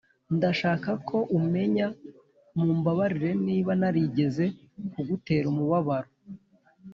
ndashaka ko umenya mumbabarire niba narigeze kugutera umubabaro.